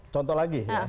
contoh lagi ya